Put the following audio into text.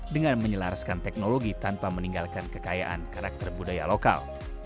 dengan menyelaraskan teknologi tanpa meninggalkan kekayaan karakter budaya lokal